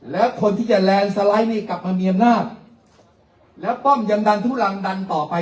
แล้วคนที่จะแลนด์สไลด์นี่กลับมามีอำนาจแล้วป้อมยังดันทุลังดันต่อไป